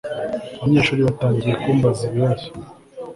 abanyeshuri batangiye kumbaza ibibazo